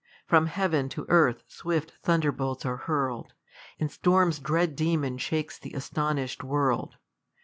From heaven to earth swift thunderbolts ar^ huri'd, And storm's dread demon shakes th' astonish'd World.